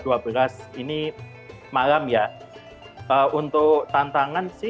jalan puasa di sini bisa dijalankan tantangan sih kalau menurut sesi tantangannya ya karena